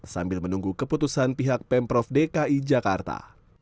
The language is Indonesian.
sambil menunggu keputusan pihak pemprov dki jakarta